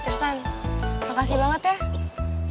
terus makasih banget ya